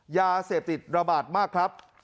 ยาเสพติดระบาดมากครับ